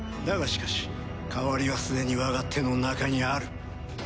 だがしかし代わりはすでに我が手の中にある。